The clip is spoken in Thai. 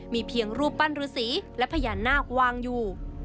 มีเพียงรูปปั้นฤษีและพญานาควางอยู่